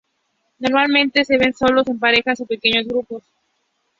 Normalmente se ven solos, en parejas o en pequeños grupos.